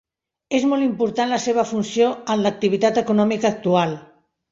És molt important la seva funció en l'activitat econòmica actual.